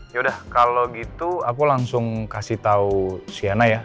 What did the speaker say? yaudah kalau gitu aku langsung kasih tau sienna ya